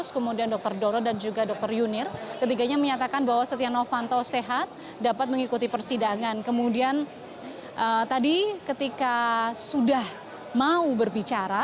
kemudian tadi ketika sudah mau berbicara